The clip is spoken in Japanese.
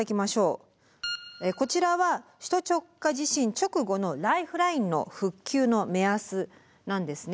こちらは首都直下地震直後のライフラインの復旧の目安なんですね。